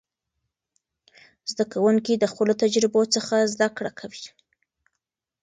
زده کوونکي د خپلو تجربو څخه زده کړه کوي.